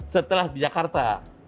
setelah di jakarta